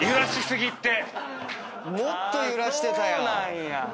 もっと揺らしてたやん！